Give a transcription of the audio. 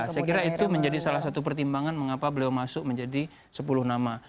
saya kira itu menjadi salah satu pertimbangan mengapa beliau masuk menjadi sepuluh nama